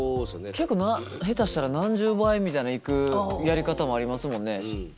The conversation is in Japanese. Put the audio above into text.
結構下手したら何十倍みたいないくやり方もありますもんね。